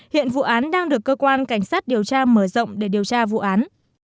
hiện vũ an đang được cơ quan cảnh sát điều tra mở rộng để điều tra vũ an